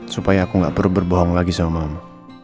supaya aku gak perlu berbohong lagi sama mama